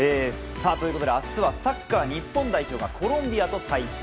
明日はサッカー日本代表がコロンビアと対戦。